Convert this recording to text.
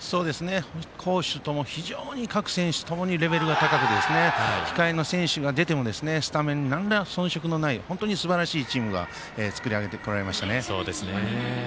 攻守とも非常に各選手ともにレベルが高く控えの選手が出てもスタメンになんら遜色のない本当にすばらしいチームを作り上げてこられましたね。